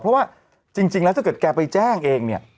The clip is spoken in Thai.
เพราะว่าจริงแล้วถ้าเกิดแกไปแจ้งเองเนี่ย